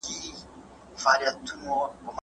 ګــــوره زمــا د زړه سـكونـه